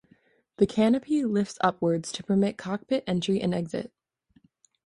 The canopy lifts upwards to permit cockpit entry and exit.